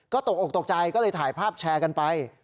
ก็ตกออกตกใจก็เลยถ่ายภาพแชร์กันไป